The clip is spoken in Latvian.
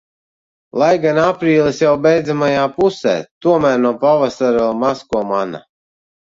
Lai gan aprīlis jau beidzamajā pusē, tomēr no pavasara vēl maz ko mana.